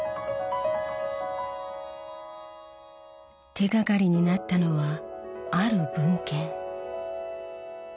手がかりになったのはある文献。